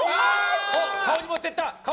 顔に持っていった！